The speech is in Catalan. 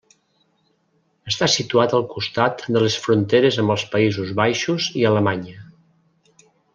Està situat al costat de les fronteres amb els Països Baixos i Alemanya.